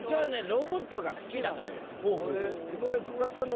ロボットが好きなのよ。